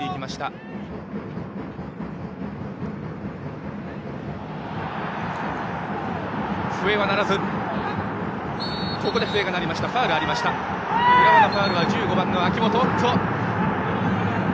浦和のファウルは１５番の明本。